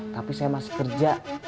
tapi saya masih kerja